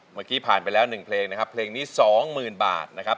เมื่อกี้ผ่านไปแล้ว๑เพลงนะครับเพลงนี้๒๐๐๐บาทนะครับ